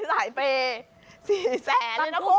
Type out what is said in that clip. สายเฟรสี่แสนเลยนะคุณ